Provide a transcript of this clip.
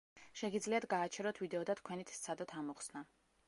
შეგიძლიათ გააჩეროთ ვიდეო და თქვენით სცადოთ ამოხსნა.